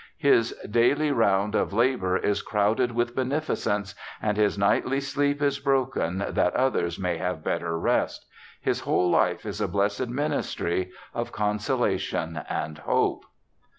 His daily round of labour is crowded with beneficence, and his nightly ELISHA BARTLETT 139 sleep is broken, that others may have better rest. His whole life is a blessed ministry of consolation and hope.'